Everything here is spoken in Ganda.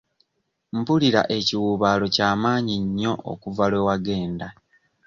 Mpulira ekiwuubaalo ky'amaanyi nnyo okuva lwe wagenda.